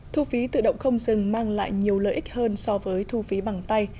thu phí tự động không dừng mang lại nhiều lợi ích hơn so với thu phí bằng tay